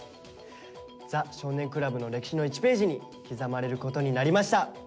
「ザ少年倶楽部」の歴史の１ページに刻まれることになりました。